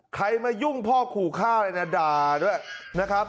ใครมายุ่งพ่อขู่ฆ่าเลยนะด่าด้วยนะครับ